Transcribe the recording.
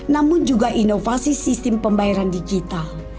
namun juga inovasi sistem pembayaran digital